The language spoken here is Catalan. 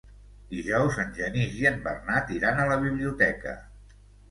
Dijous en Genís i en Bernat iran a la biblioteca.